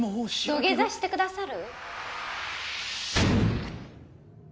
土下座してくださる？